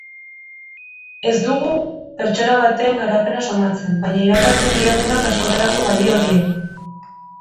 Ez dugu pertsona baten garapena somatzen baina irakasten diegunak askotarako balio die.